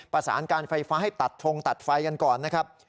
ประสานการไฟฟ้าให้ตัดทงตัดไฟกันก่อนนะครับ